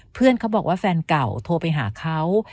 เพื่อนเขาบอกว่าแฟนเก่าโทรไปหาเขา